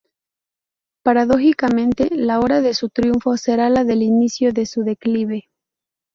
Paradójicamente, la hora de su triunfo será la del inicio de su declive.